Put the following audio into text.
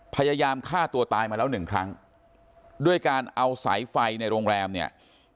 พยายามฆ่าตัวตายมาแล้วหนึ่งครั้งด้วยการเอาสายไฟในโรงแรมเนี่ย